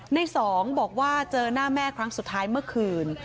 ในสองบอกว่าเจอหน้าแม่ครั้งสุดท้ายเมื่อคืน